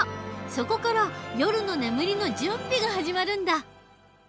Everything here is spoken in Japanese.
そこから夜の眠りの準備が始まるんだ。